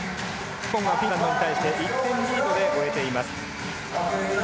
日本はフィンランドに対して１点リードで終えています。